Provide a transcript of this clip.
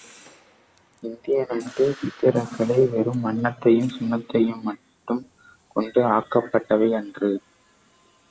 இந்திய நாட்டுச் சித்திரக் கலை வெறும் வண்ணத்தையும் சுண்ணத்தையும் மட்டும் கொண்டு ஆக்கப்பட்டவை அன்று.